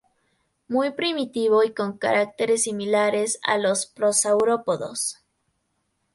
Muy primitivo y con caracteres similares a los prosaurópodos.